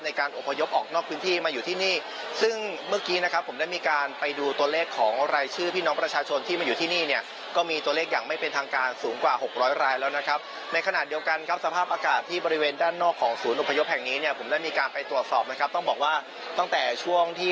การอบพยพออกนอกพื้นที่มาอยู่ที่นี่ซึ่งเมื่อกี้นะครับผมได้มีการไปดูตัวเลขของรายชื่อพี่น้องประชาชนที่มาอยู่ที่นี่เนี่ยก็มีตัวเลขอย่างไม่เป็นทางการสูงกว่าหกร้อยรายแล้วนะครับในขณะเดียวกันครับสภาพอากาศที่บริเวณด้านนอกของศูนย์อพยพแห่งนี้เนี่ยผมได้มีการไปตรวจสอบนะครับต้องบอกว่าตั้งแต่ช่วงที่